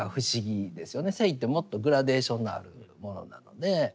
性ってもっとグラデーションのあるものなので。